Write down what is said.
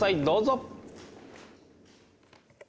どうぞ。